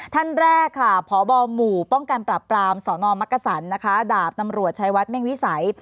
ท่านแรกค่ะพบหมู่ป้องการปรับปรามสมมดาบนำรวจชายวัดแม่งวิสัย